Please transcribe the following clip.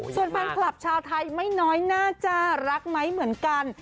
ส่วนแฟนคลับชาวไทยไม่น้อยน่าจะรักไหมเหมือนกัน